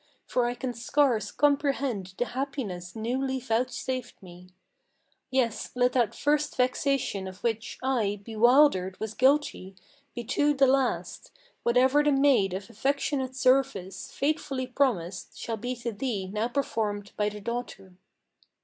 For I can scarce comprehend the happiness newly vouchsafed me. Yes, let that first vexation of which I, bewildered, was guilty Be too the last. Whatever the maid of affectionate service Faithfully promised, shall be to thee now performed by the daughter."